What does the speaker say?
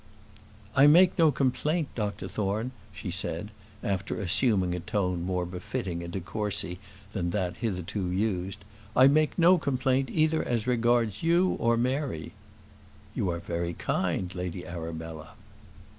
"I make no complaint, Dr Thorne," she said, after assuming a tone more befitting a de Courcy than that hitherto used, "I make no complaint either as regards you or Mary." "You are very kind, Lady Arabella."